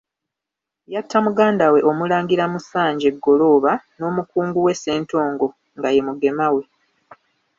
Yatta muganda we Omulangira Musanje Ggolooba n'omukungu we Ssentongo nga ye Mugema we.